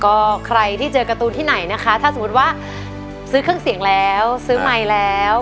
ก็ใครที่เจอการ์ตูนที่ไหนนะคะถ้าสมมุติว่าซื้อเครื่องเสียงแล้วซื้อไมค์แล้ว